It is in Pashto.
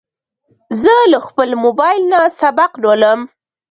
زه له خپل موبایل نه سبق لولم.